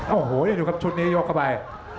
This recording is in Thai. โอ้โหดูครับชุดนี้ยกเข้าไป